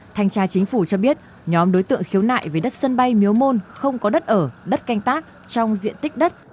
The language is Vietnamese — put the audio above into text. thanh tra chính phủ cho biết nhóm đối tượng khiếu nại về đất sân bay miếu môn không có đất ở đất canh tác trong diện tích đất